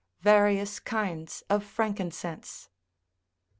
VARIOUS KINDS OF FRANKINCENSE.